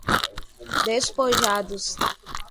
despojados